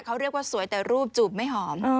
เขาเรียกว่าสวยแต่รูปจูบไม่หอม